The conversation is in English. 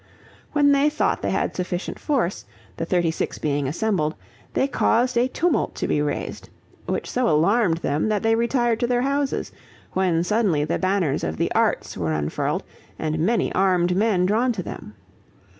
When they thought they had sufficient force, the thirty six being assembled, they caused a tumult to be raised, which so alarmed them that they retired to their houses, when suddenly the banners of the Arts were unfurled, and many armed men drawn to them.